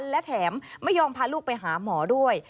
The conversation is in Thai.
และแถมไม่ยอมพาลูกไปหาหมอด้วย